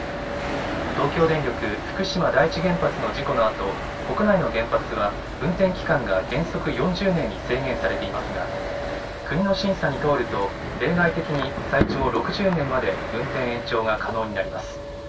東京電力福島第一原発の事故のあと国内の原発は運転期間が原則４０年に制限されていますが国の審査に通ると例外的に最長６０年まで運転延長が可能になります。